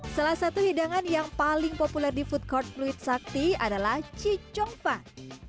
salah satu hidangan yang paling populer di food court fluid sakti adalah cicongfan